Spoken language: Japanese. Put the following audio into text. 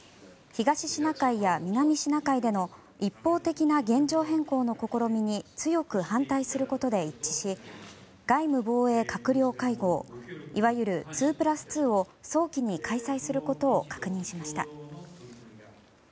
東シナ海や南シナ海での一方的な現状変更の試みに強く反対することで一致し外務・防衛閣僚会合いわゆる２プラス２を早期に開催することを確認しました。